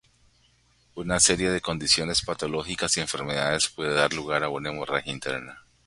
Una serie de condiciones patológicas y enfermedades puede dar lugar a una hemorragia interna.